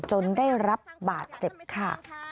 จนได้รับบาดเจ็บค่ะ